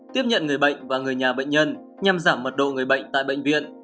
tiếp nhận người bệnh và người nhà bệnh nhân nhằm giảm mật độ người bệnh tại bệnh viện